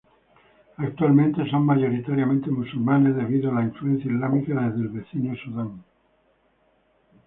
Actualmente son mayoritariamente musulmanes, debido a la influencia islámica desde el vecino Sudán.